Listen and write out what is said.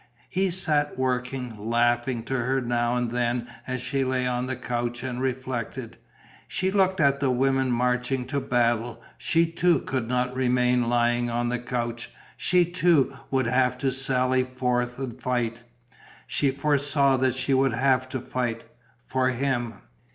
He sat working, laughing to her now and then as she lay on the couch and reflected. She looked at the women marching to battle; she too could not remain lying on a couch, she too would have to sally forth and fight. She foresaw that she would have to fight ... for him.